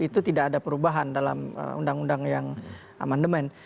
itu tidak ada perubahan dalam undang undang yang amandemen